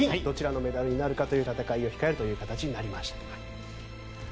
どちらのメダルになるかという戦いを控える形になりました。